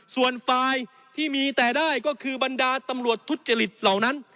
ส่วนฝ่ายที่มีแต่ได้ก็คือบรรดาตำรวจทุจริตเหล่านั้น